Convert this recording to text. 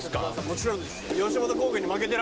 もちろんです